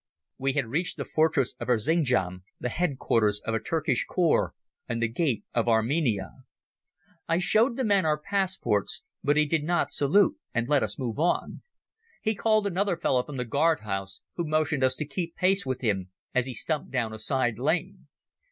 We had reached the fortress of Erzingjan, the headquarters of a Turkish corps and the gate of Armenia. I showed the man our passports, but he did not salute and let us move on. He called another fellow from the guardhouse, who motioned us to keep pace with him as he stumped down a side lane.